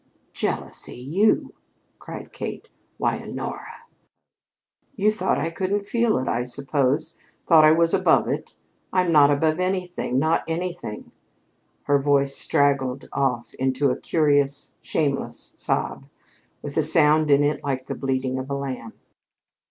"Jealousy you?" cried Kate. "Why, Honora " "You thought I couldn't feel it, I suppose, thought I was above it? I'm not above anything not anything " Her voice straggled off into a curious, shameless sob with a sound in it like the bleating of a lamb.